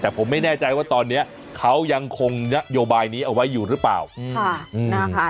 แต่ผมไม่แน่ใจว่าตอนนี้เขายังคงนโยบายนี้เอาไว้อยู่หรือเปล่านะคะ